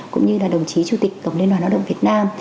cũng như là đồng chí chủ tịch cộng liên đoàn đoàn động việt nam